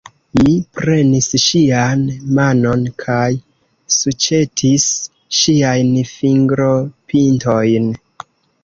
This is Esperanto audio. Mi prenis ŝian manon kaj suĉetis ŝiajn fingropintojn.